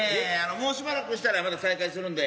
もうしばらくしたらまた再開するんで。